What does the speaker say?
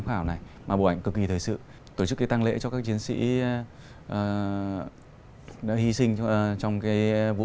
hảo này mà bộ ảnh cực kỳ thời sự tổ chức cái tăng lễ cho các chiến sĩ đã hy sinh trong cái vụ